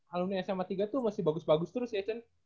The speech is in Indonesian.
alumni sma tiga tuh masih bagus bagus terus ya chen